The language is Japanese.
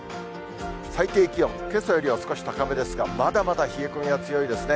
最低気温、けさよりは少し高めですが、まだまだ冷え込みは強いですね。